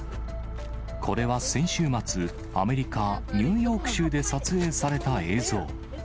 これは先週末、アメリカ・ニューヨーク州で撮影された映像。